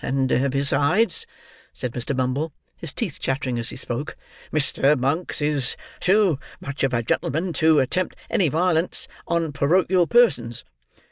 And besides," said Mr. Bumble, his teeth chattering as he spoke, "Mr. Monks is too much of a gentleman to attempt any violence on porochial persons.